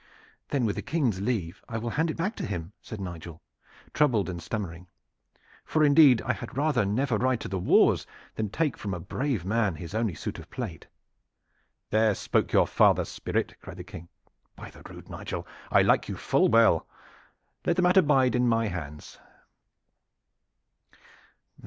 "Then with the King's leave, I will hand it back to him," said Nigel, troubled and stammering; "for indeed I had rather never ride to the wars than take from a brave man his only suit of plate." "There spoke your father's spirit!" cried the King. "By the rood! Nigel, I like you full well. Let the matter bide in my hands.